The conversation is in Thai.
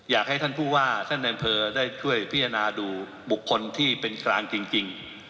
อยากให้ท่านผู้ว่าท่านในอำเภอได้ช่วยพิจารณาดูบุคคลที่เป็นกลางจริง